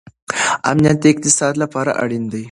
امنیت د اقتصاد لپاره اړین دی.